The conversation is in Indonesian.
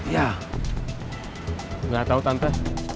ya gak tau tante